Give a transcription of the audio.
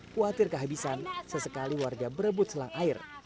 khawatir kehabisan sesekali warga berebut air bersih